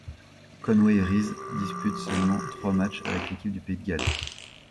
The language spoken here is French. Conway Rees dispute seulement trois matchs avec l'équipe du pays de Galles.